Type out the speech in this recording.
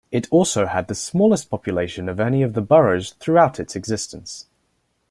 It also had the smallest population of any of the boroughs throughout its existence.